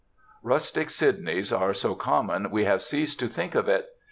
Rustic Sidneys are so common we have ceased to think of it.